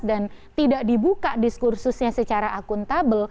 dan tidak dibuka diskursusnya secara akuntas